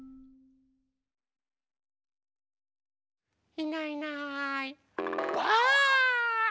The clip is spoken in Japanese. いないいないばあっ！